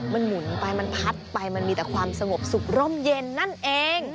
มันหมุนไปมันพัดไปมันมีแต่ความสงบสุขร่มเย็นนั่นเอง